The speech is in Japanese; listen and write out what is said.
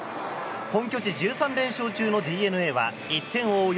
本拠地１３連勝中のＤｅＮＡは１点を追う